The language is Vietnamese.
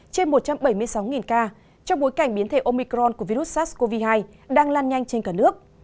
trên một trăm bảy mươi sáu ca trong bối cảnh biến thể omicron của virus sars cov hai đang lan nhanh trên cả nước